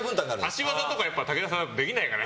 足技とか、武田さんできないから。